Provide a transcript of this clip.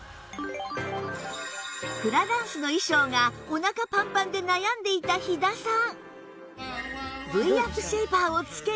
フラダンスの衣装がお腹パンパンで悩んでいた飛騨さん